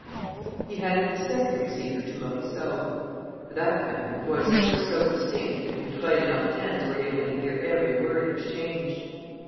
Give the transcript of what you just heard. He handed the second receiver to Morisseau. For that matter, the voices were so distinct that Dutreuil and Hortense were able to hear every word exchanged.